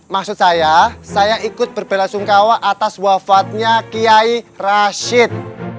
maksud saya saya ikut berbela sungkawa atas wafatnya kiai rashid